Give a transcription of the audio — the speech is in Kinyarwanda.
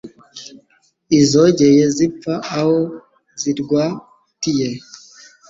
Izogeye zipfa aho zirwatiye